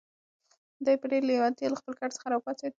دی په ډېرې لېوالتیا له خپل کټ څخه را پاڅېد.